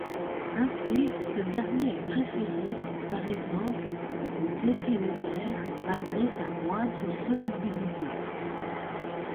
Ainsi, ce dernier est préféré, par exemple, au diéthyl éther malgré sa moindre solubilité.